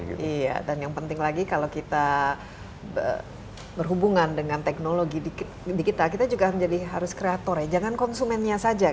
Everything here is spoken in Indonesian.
iya dan yang penting lagi kalau kita berhubungan dengan teknologi di kita kita juga menjadi harus kreator ya jangan konsumennya saja